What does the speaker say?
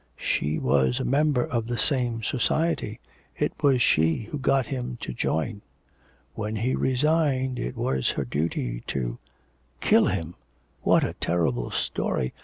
'She was a member of the same society, it was she who got him to join. When he resigned it was her duty to ' 'Kill him! What a terrible story.